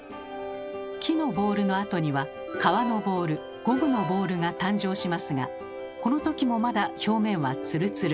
木のボールのあとには皮のボールゴムのボールが誕生しますがこのときもまだ表面はツルツル。